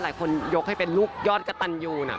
หลายคนยกให้เป็นลูกยอดกะตันยูน่ะ